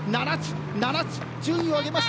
７つ順位を上げました。